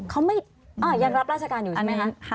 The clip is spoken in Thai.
เขายังรับราชการอยู่ใช่ไหมคะ